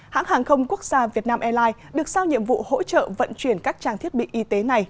hãng hàng không quốc gia việt nam airlines được sao nhiệm vụ hỗ trợ vận chuyển các trang thiết bị y tế này